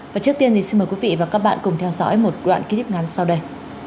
và trước tiên xin mời quý vị và các bạn cùng theo dõi một đoạn ký tiếp ngắn sau đây